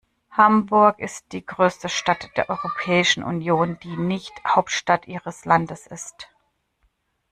Hamburg ist die größte Stadt der Europäischen Union, die nicht Hauptstadt ihres Landes ist.